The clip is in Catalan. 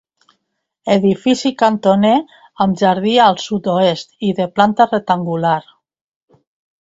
Edifici cantoner amb jardí al sud-oest i de planta rectangular.